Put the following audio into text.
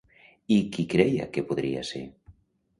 I qui creia que podria ser?